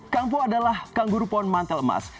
kampo adalah kangguru pon mantel emas